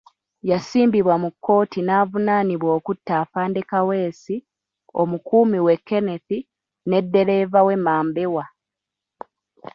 Yasimbibwa mu kkooti n'avunaanibwa okutta Afande Kaweesi, Omukuumi we Kenneth ne ddereeva we Mambewa.